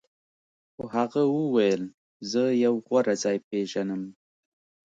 خو هغه وویل زه یو غوره ځای پیژنم